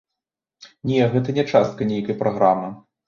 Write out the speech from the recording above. Не, гэта не частка нейкай праграмы.